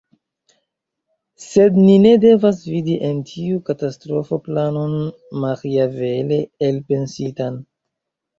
Sed ni ne devas vidi en tiu katastrofo planon maĥiavele elpensitan.